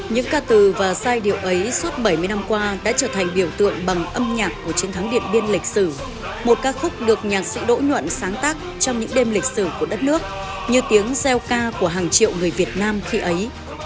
những ca từ và giai điệu ấy suốt bảy mươi năm qua đã trở thành biểu tượng bằng âm nhạc của chiến thắng điện biên lịch sử một ca khúc được nhạc sĩ đỗ nhuận sáng tác trong những đêm lịch sử của đất nước như tiếng gieo ca của hàng triệu người việt nam khi ấy